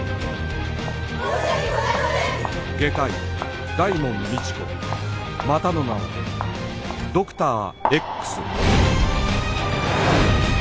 外科医大門未知子またの名をドクター Ｘ